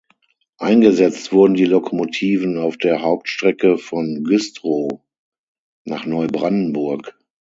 Eingesetzt wurden die Lokomotiven auf der Hauptstrecke von Güstrow nach Neubrandenburg.